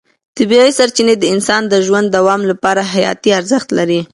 طبیعي سرچینې د انسان د ژوند د دوام لپاره حیاتي ارزښت لري.